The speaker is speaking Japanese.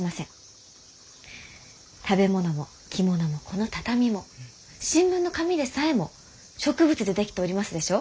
食べ物も着物もこの畳も新聞の紙でさえも植物で出来ておりますでしょう？